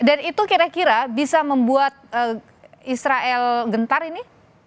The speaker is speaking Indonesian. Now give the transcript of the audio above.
dan itu kira kira bisa membuat israel gentar ini